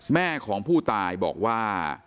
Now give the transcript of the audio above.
แม่ของผู้ตายบอกว่า